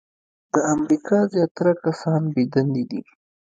د امریکا زیاتره کسان بې دندې دي .